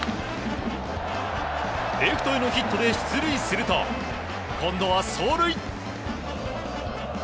レフトへのヒットで出塁すると今度は、走塁。